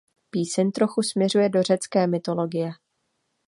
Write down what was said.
Píseň trochu směřuje do do řecké mytologie.